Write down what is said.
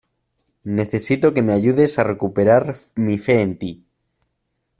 necesito que me ayudes a recuperar mi fe en ti.